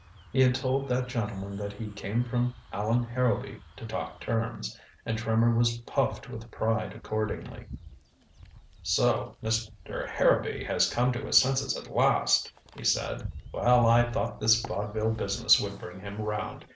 He had told that gentleman that he came from Allan Harrowby to talk terms, and Trimmer was puffed with pride accordingly. "So Mr. Harrowby has come to his senses at last," he said. "Well, I thought this vaudeville business would bring him round.